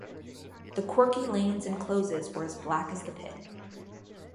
The quirky lanes and closes were as black as the pit.